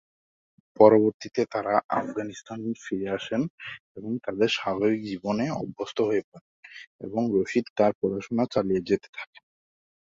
পরবর্তীতে তারা আফগানিস্তানে ফিরে আসেন এবং তার তাদের স্বাভাবিক জীবনে অভ্যস্ত হয়ে পড়েন এবং রশীদ তার পড়াশুনা চালিয়ে যেতে থাকেন।